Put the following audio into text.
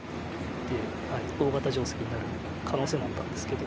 大型定石になる可能性もあったんですけど。